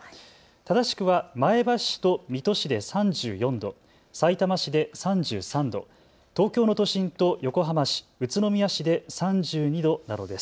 正しくは前橋市と水戸市で３４度、さいたま市で３３度、東京の都心と横浜市、宇都宮市で３２度などです。